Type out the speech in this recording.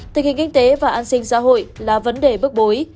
tình hình kinh tế và an sinh xã hội là vấn đề bức bối